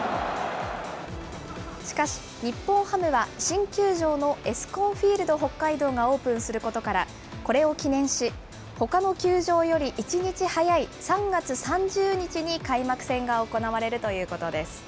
しかし、日本ハムは、新球場のエスコンフィールドＨＯＫＫＡＩＤＯがオープンすることから、これを記念し、ほかの球場より１日早い３月３０日に開幕戦が行われるということです。